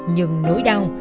nhưng nỗi đau